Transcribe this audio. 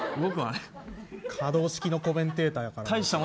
可動式のコメンテーターやから。